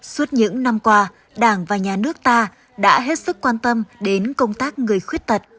suốt những năm qua đảng và nhà nước ta đã hết sức quan tâm đến công tác người khuyết tật